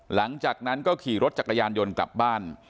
หลังจากนั้นก็ขี่รถจักรยานยนต์กลับบ้าน